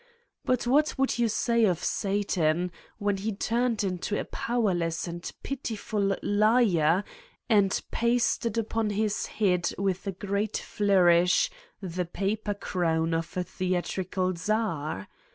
But what would you say of Satan when he turned into a powerless and pitiful liar and pasted upon his head with a great flourish the paper crown of a theatrical czar?